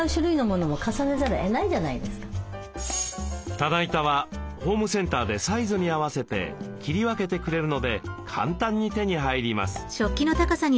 棚板はホームセンターでサイズに合わせて切り分けてくれるので簡単に手に入ります。